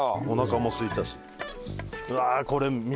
おなかもすいたし。